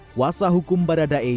kuasa hukum baradae